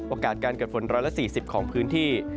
การเกิดฝน๑๔๐ของพื้นที่